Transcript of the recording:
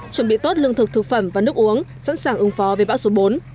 chuẩn bị tốt lương thực thực phẩm và nước uống sẵn sàng ứng phó về bão số bốn